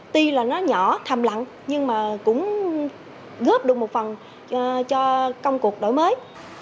tuy là nó nhỏ thầm lặng nhưng mà cũng góp được một phần cho công cuộc đổi mới